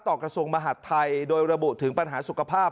กระทรวงมหาดไทยโดยระบุถึงปัญหาสุขภาพ